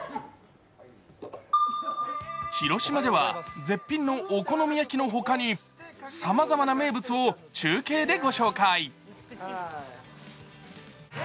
広島では絶品のお好み焼きの他にさまざまな名物を中継でご紹介。